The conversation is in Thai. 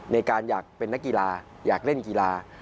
ในการอยากเป็นนักกีฬาอยากเล่นกีฬา